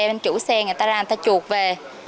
bên chủ xe người ta ra người ta chuột về